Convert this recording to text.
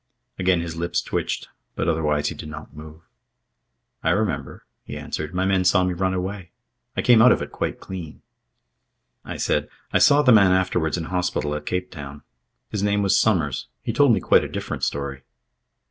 Again his lips twitched; but otherwise he did not move. "I remember," he answered. "My men saw me run away. I came out of it quite clean." I said: "I saw the man afterwards in hospital at Cape Town. His name was Somers. He told me quite a different story."